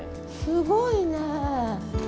すごいね。